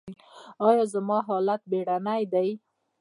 ایا زما حالت بیړنی دی؟